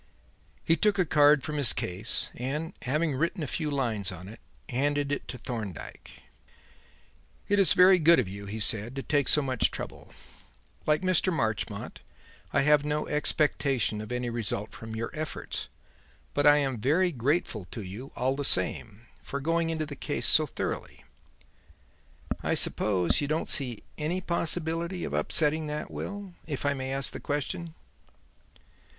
He took a card from his case, and, having written a few lines on it, handed it to Thorndyke. "It is very good of you," he said, "to take so much trouble. Like Mr. Marchmont, I have no expectation of any result from your efforts, but I am very grateful to you, all the same, for going into the case so thoroughly. I suppose you don't see any possibility of upsetting that will if I may ask the question?"